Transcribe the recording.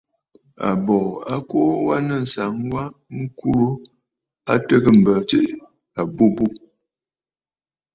Àbòò a kuu wa nɨ̂ ànsaŋ wa ŋkurə a tɨgə̀ m̀bə tsiʼì àbûbû.